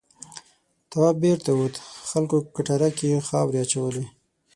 تواب بېرته ووت خلکو کټاره کې خاورې اچولې.